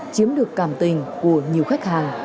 chiếm được cảm tình của nhiều khách hàng